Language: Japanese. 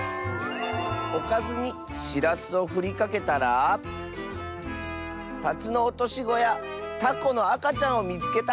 「おかずにしらすをふりかけたらタツノオトシゴやタコのあかちゃんをみつけた！」。